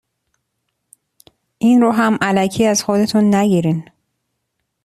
این رو هم الکی از خودتون نگیرین.